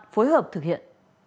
phối hợp thực hiện